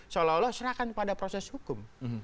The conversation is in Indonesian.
seolah olah serahkan pada proses hukum